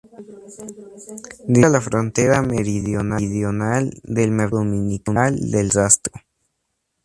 Delimita la frontera meridional del mercado dominical del Rastro.